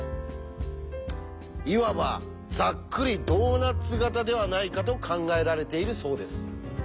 いわばざっくりドーナツ型ではないかと考えられているそうです。